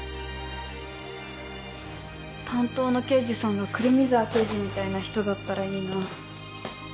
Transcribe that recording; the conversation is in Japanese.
担当の刑事さんが胡桃沢刑事みたいな人だったらいいな。